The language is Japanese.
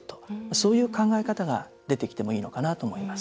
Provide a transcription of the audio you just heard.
そういう考え方が出てきてもいいのかなと思います。